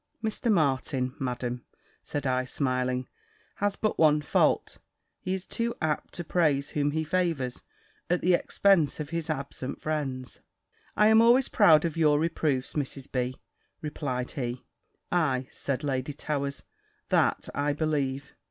"Mr. Martin, Madam," said I, smiling, "has but one fault: he is too apt to praise whom he favours, at the expense of his absent friends." "I am always proud of your reproofs, Mrs. B.," replied he. "Ay," said Lady Towers, "that I believe.